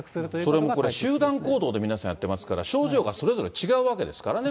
それもこれ、集団行動で皆さんやってますから、症状がそれぞれ違うわけですからね。